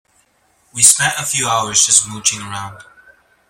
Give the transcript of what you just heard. We spent a few hours just mooching around.